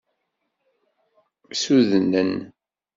Ssudnen.